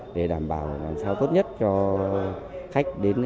để đảm bảo làm sao tốt nhất cho khách đến